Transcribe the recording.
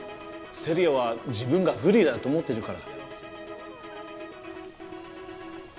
聖里矢は自分が不利だと思ってるから。